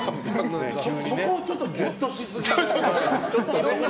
そこをちょっとギュッとし過ぎ。